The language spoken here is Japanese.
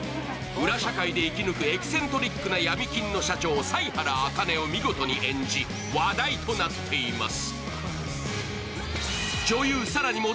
裏社会で生き抜くエキセントリックな闇金の社長、犀原茜を見事に演じ、話題となっています。